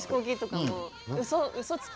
「うそつき」？